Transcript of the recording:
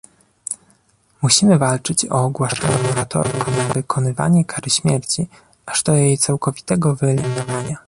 Musimy walczyć o ogłaszanie moratoriów na wykonywanie kary śmierci, aż do jej całkowitego wyeliminowania